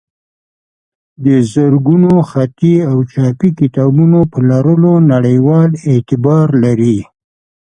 د زرګونو خطي او چاپي کتابونو په لرلو نړیوال اعتبار لري.